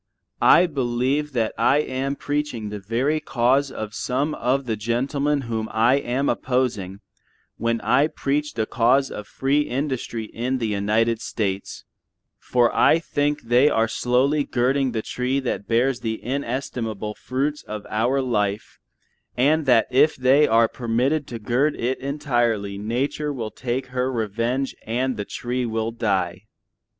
I believe that I am preaching the very cause of some of the gentlemen whom I am opposing when I preach the cause of free industry in the United States, for I think they are slowly girding the tree that bears the inestimable fruits of our life, and that if they are permitted to gird it entirely nature will take her revenge and the tree will die.